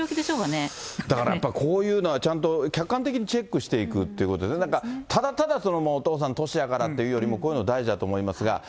だからこういうのはちゃんと客観的にチェックしていくということで、なんか、ただただお父さん、年やからっていうよりも、こういうの大事だと思いますが。